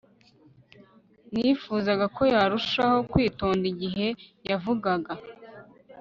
Nifuzaga ko yarushaho kwitonda igihe yavugaga